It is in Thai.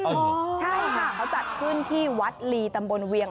ใช่ค่ะเขาจัดขึ้นที่วัดลีตำบลเวียง